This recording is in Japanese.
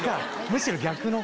むしろ逆の。